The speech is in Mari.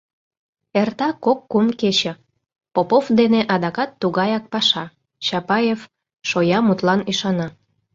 Эрта кок-кум кече — Попов дене адакат тугаяк паша: Чапаев шоя мутлан ӱшана.